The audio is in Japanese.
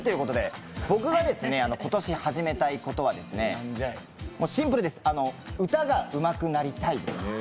僕が今年始めたいことはシンプルです、歌がうまくなりたい。